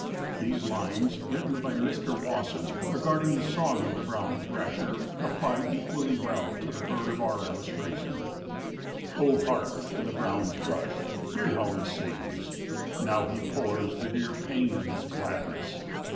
These lines, written by Mr. Wasson regarding the song of the brown thrasher, apply equally well to the bird of our illustration: O, hark to the brown thrush! Hear how he sings! Now he pours the dear pain of his gladness!